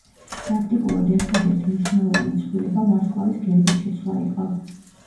პრაქტიკულად ერთადერთი მნიშვნელოვანი ცვლილება ვარსკვლავის გერბით შეცვლა იყო.